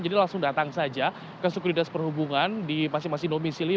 jadi langsung datang saja ke sekuritas perhubungan di masing masing domisili